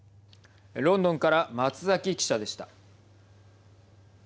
ロンドンから松崎記者でした。